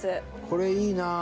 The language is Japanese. これいいな。